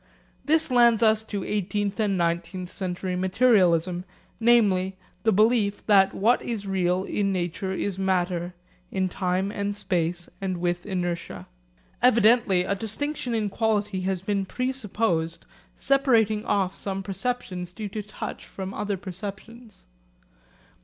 This lands us to eighteenth and nineteenth century materialism, namely, the belief that what is real in nature is matter, in time and in space and with inertia. Evidently a distinction in quality has been presupposed separating off some perceptions due to touch from other perceptions.